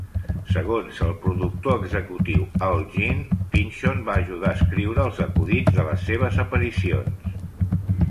Segons el productor executiu Al Jean, Pynchon va ajudar a escriure els acudits de les seves aparicions.